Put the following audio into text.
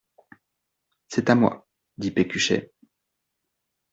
C'est à moi ! dit Pécuchet.